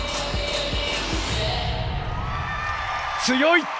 強い！